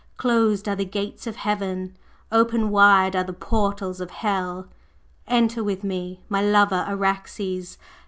Closed are the gates of Heaven, open wide are the portals of Hell! Enter with me, my lover Araxes!